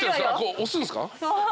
押すんすか？